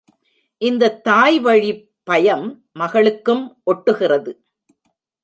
இந்தத் தாய்வழிப்பயம் மகளுக்கும் ஒட்டுகிறது.